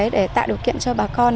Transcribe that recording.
để tạo điều kiện cho bà con